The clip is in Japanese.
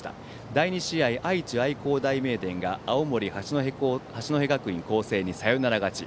第２試合、愛知・愛工大名電が青森・八戸学院光星にサヨナラ勝ち。